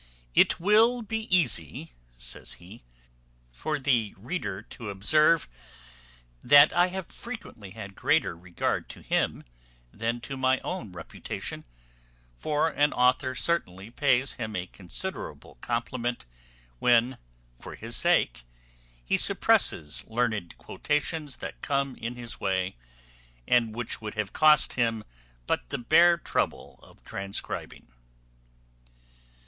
"It will be easy," says he, "for the reader to observe that I have frequently had greater regard to him than to my own reputation: for an author certainly pays him a considerable compliment, when, for his sake, he suppresses learned quotations that come in his way, and which would have cost him but the bare trouble of transcribing."